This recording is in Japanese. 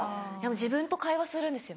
自分と会話するんですよ